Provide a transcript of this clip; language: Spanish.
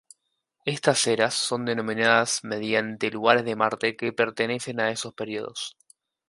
Estas eras son denominadas mediante lugares de Marte que pertenecen a esos períodos.